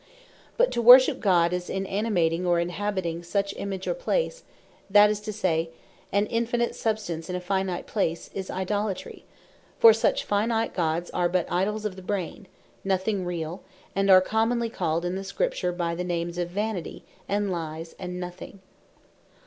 But to worship God, is inanimating, or inhibiting, such Image, or place; that is to say, an infinite substance in a finite place, is Idolatry: for such finite Gods, are but Idols of the brain, nothing reall; and are commonly called in the Scripture by the names of Vanity, and Lyes, and Nothing.